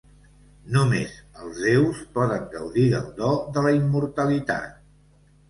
Només els déus poden gaudir del do de la immortalitat.